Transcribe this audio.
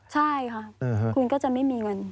ใช่ค่ะคุณก็จะไม่มีเงิน